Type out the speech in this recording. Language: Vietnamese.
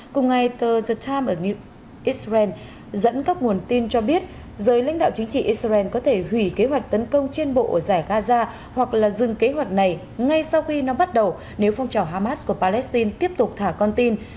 cùng ngày tờ the times ở israel dẫn các nguồn tin cho biết giới lãnh đạo chính trị israel có thể hủy kế hoạch tấn công trên bộ ở giải gaza hoặc là dừng kế hoạch này ngay sau khi nó bắt đầu nếu phong trào hamas của palestine tiếp tục thả con tin